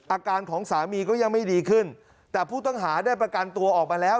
อาการของสามีก็ยังไม่ดีขึ้นแต่ผู้ต้องหาได้ประกันตัวออกมาแล้ว